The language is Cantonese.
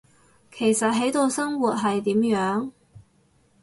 其實喺度生活，係點樣？